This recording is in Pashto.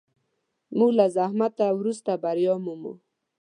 موږ له زحمت وروسته بریا مومو.